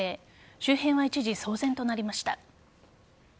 周辺は一時騒然となりました。